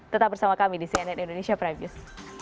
tetap bersama kami di cnn indonesia previews